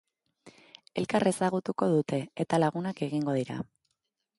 Elkar ezagutuko dute, eta lagunak egingo dira.